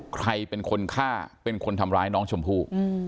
ใครเป็นคนฆ่าเป็นคนทำร้ายน้องชมพู่